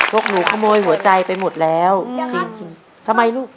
กหนูขโมยหัวใจไปหมดแล้วจริงจริงทำไมลูก